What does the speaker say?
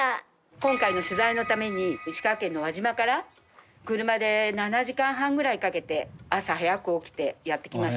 今回の取材のために石川県の輪島から車で７時間半ぐらいかけて朝早く起きてやって来ました。